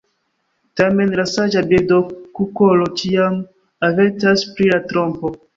Tamen la saĝa birdo kukolo ĉiam avertas pri la trompo.